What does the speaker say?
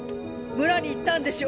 村に行ったんでしょ。